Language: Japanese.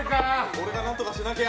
俺が何とかしなきゃ。